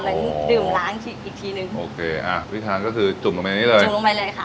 แล้วดื่มล้างอีกทีหนึ่งโอเคอ่ะวิธีก็คือจุ่มลงไปในนี้เลยจุ่มลงไปเลยค่ะ